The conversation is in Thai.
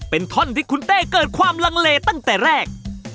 เป็นท่อนที่คุณเต้เกิดความลังเลตั้งแต่แรก